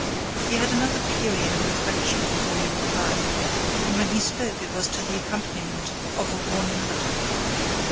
He had another period of reflection before he replied, and when he spoke it was to the accompaniment of a warning look.